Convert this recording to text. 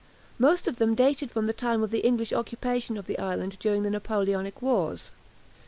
Most of them dated from the time of the English occupation of the island during the Napoleonic wars.